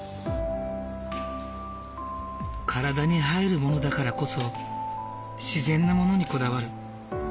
体に入るものだからこそ自然なものにこだわる。